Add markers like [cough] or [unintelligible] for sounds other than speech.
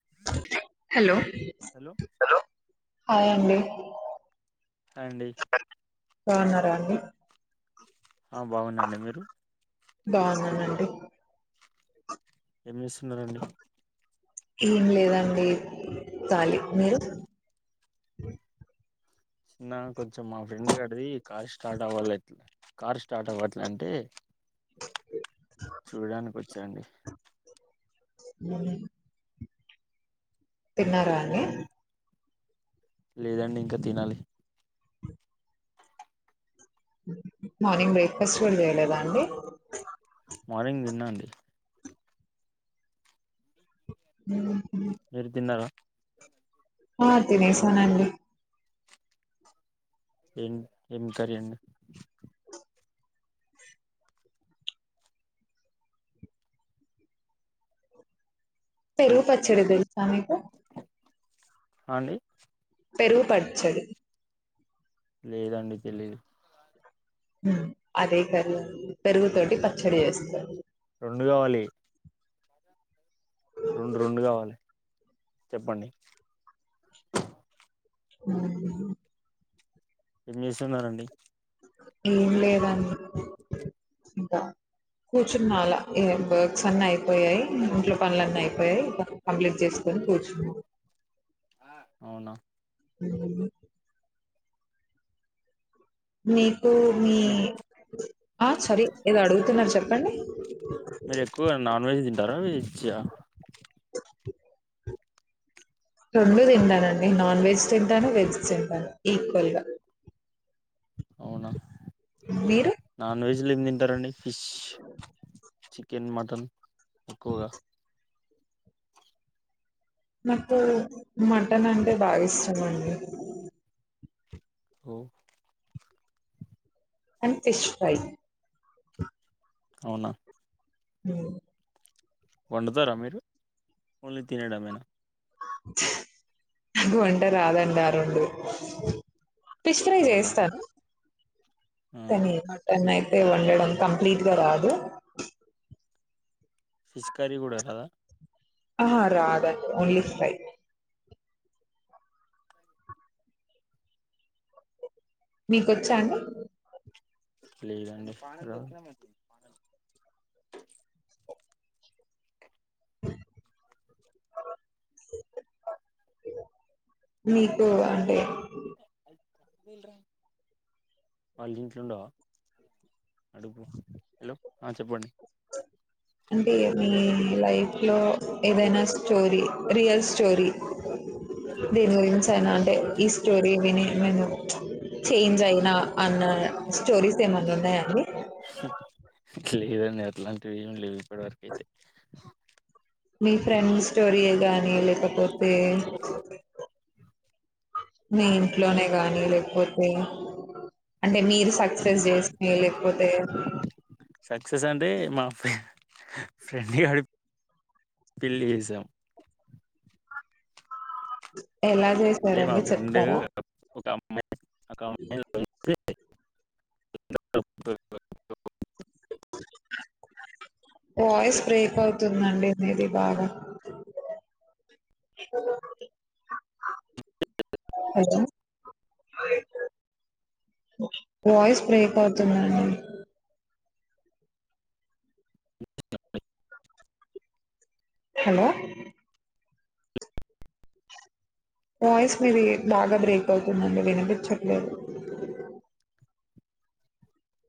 hello hello hi అండి hi అండి బావున్నారు అండి ఆ బాగున్నా అండి మీరు ప్పు ఏం చేస్తున్నారండి ఏం లేదండి కాలి మీరు నా కొంచం మా ఫ్రెండ్ గాడ్ది కార్ స్టార్ట్ అవ్వాలేట్ల్ కార్ స్టార్ట్ అవ్వట్లే అంటే చూడడానికి వచ్చ అండి మ్ ఉ తిన్నారా అన్ని మీరండి లేదండి ఇంకా తినాలి మార్నింగ్ బ్రేక్ఫాస్ట్ కూడ చేయలేదా అండి మార్నింగ్ తిన్నా అండి మ్మ్ మీరు తిన్నారా ఆ తినేసానండి ఏం ఏం కర్రీ అండి పెరుగు పచ్చడి తెల్సా మీకు ఆండి పెరుగు పచ్చడి లేదండి తెలీదు మ్మ్ అదే కరు పెరుగు తోటి పచ్చడి ఎస్తారు రోండు కావాలి రెండు రెండు కావాలి చెప్పండి మ్ హు ఏం చేస్తున్నారండి హు లేదండి ఇంకా కూర్చున్న అలా ఇగ్ వర్క్స్ అన్ని అయిపోయాయ్ ఇంట్లో పనులన్నీ అయిపోయాయి కంప్లీట్ చేసుకొని కూర్చున్నా అవునా మ్ ఉ మీకు మీ ఆ సారీ ఏదో అడుగుతున్నారు చెప్పండి మీరు ఎక్కువగా నాన్ వెజ్ తింటారా వెజ్జ రోండు తింటానండి నాన్ వెజ్ తింటాను వెజ్ తింటాను ఈక్వల్గ అవునా నాన్ వెజ్ లిమ్ తింటారండి ని ఫిష్, చికెన్, మటన్ ఎక్కువగా నాకు మటన్ అంటే బాగా ఇష్టం అండి ఒ అండ్ ఫిష్ ఫ్రై అవున హు వండుతార మీరు ఓన్లీ తినేడంమేన [unintelligible] పిష్క్రీ అవునా చేస్తాను ఆ కానీ మటన్ వండడం అ కంప్లీట్గా రాదు ఫిష్ కర్రీ కూడ రాద ఆహా రాదండి ఓన్లీ ఫ్రై మీకొచ్చ అండి లేదండి మీకు అంటే [unintelligible] వాళ్ళ ఇంట్లోండవ అడుపు హలో ఆ చెప్పండి అంటే మీ లైఫ్ లో ఏదైన స్టోరీ రియల్ స్టోరీ [unintelligible] అంటే ఈ స్టోరీ విని ఏమైన చేంజ్ అయిన అన్న స్టోరీస్ ఏమన్నా ఉన్నాయాండి లేదండి అట్లాంటివి ఏమి లేవు ఇప్పటి వరక అయితే మీ ఫ్రెండ్ స్టోరీయే గానీ లేకపోతే ఇంట్లోనే గాని లేకపోతే అంటే మీరు సక్సెస్ చేసే లేకపోతే సక్సెస్ అంటే మా ఫ్రెండ్ గడి పెళ్లి చేసాం ఎలా అంటే మా చేసారండి ఫ్రెండ్ చెప్తార ఒక అమ్మాయి ఒక అమ్మాయి వాయిస్ బ్రేక్ అవుతుందండి మీది బాగ అ అ వాయిస్ బ్రేక్ అవుతుందండి హలో వాయిస్ మీది బాగ బ్రేక్ అవుతుందండి వినిపించట్లేదు